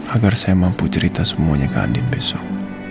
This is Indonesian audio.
agar saya mampu cerita semuanya ke andin besok